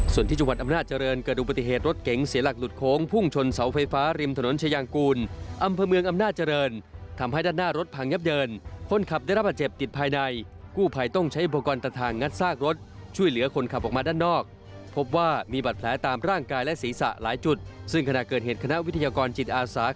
ส่วนที่จังหวัดอำนาจเจริญเกิดดูปฏิเหตุรถเก๋งเสียหลักหลุดโค้งพุ่งชนเสาไฟฟ้าริมถนนชะยางกูลอำเภอเมืองอำนาจเจริญทำให้ด้านหน้ารถผังยับเดินคนขับได้รับหัดเจ็บติดภายในกู้ไภต้องใช้โปรกรณ์ตัดทางงัดซากรถช่วยเหลือคนขับออกมาด้านนอกพบว่ามีบัตรแผลตามร่างกายและศีรษ